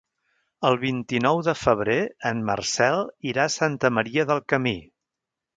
El vint-i-nou de febrer en Marcel irà a Santa Maria del Camí.